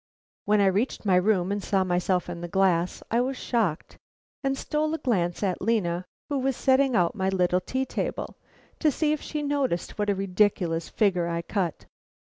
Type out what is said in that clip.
When I reached my room and saw myself in the glass, I was shocked, and stole a glance at Lena, who was setting out my little tea table, to see if she noticed what a ridiculous figure I cut.